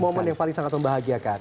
momen yang paling sangat membahagiakan